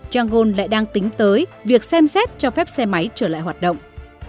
chang gôn lại đang tính tới việc xem xét cho phép xe máy trở lại hoạt động